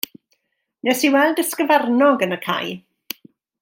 Wnes i weld ysgyfarnog yn cae.